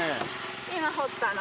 今掘ったの。